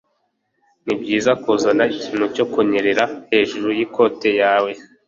Nibyiza kuzana ikintu cyo kunyerera hejuru yikoti yawe.